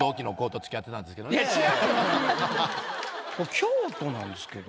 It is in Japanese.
京都なんですけど。